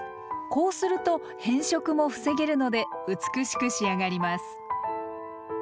こうすると変色も防げるので美しく仕上がります。